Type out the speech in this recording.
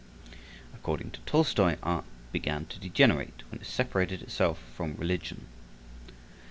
According to Tolstoi, art began to degenerate when it separated itself from religion.